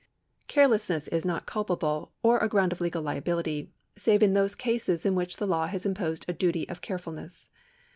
Carelessness is not culpable, or a ground of legal liability, save in those cases in which the law has imposed a duty of carefulness.